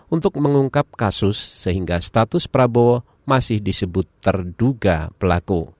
untuk mengungkap kasus sehingga status prabowo masih disebut terduga pelaku